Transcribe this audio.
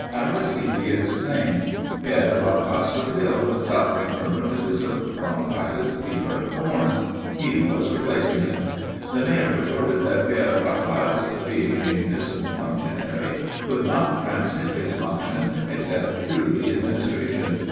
Aristide explained. Père Bracasse was ill, suffering from rheumatism, bronchitis, fever and corns. He was replacing him. The Mayor retorted that Père Bracasse being a municipal functionary could not transmit his functions except through the Administration.